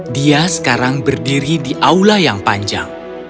dia sekarang berdiri di aula yang panjang